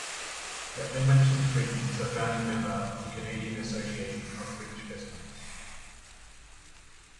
The Edmonton Fringe is a founding member of the Canadian Association of Fringe Festivals.